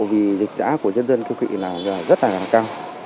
vì dịch giã của dân dân kiêu kỵ là rất là cao